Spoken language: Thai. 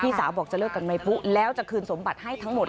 สาวบอกจะเลิกกับนายปุ๊แล้วจะคืนสมบัติให้ทั้งหมด